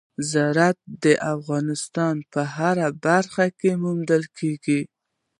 زراعت د افغانستان په هره برخه کې موندل کېږي.